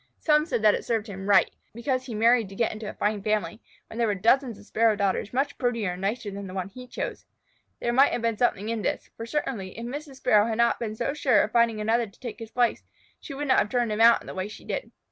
Some said that it served him exactly right, because he married to get into a fine family, when there were dozens of Sparrow daughters much prettier and nicer than the one he chose. There may have been something in this, for certainly if Mrs. Sparrow had not been so sure of finding another to take his place, she would not have turned him out in the way she did.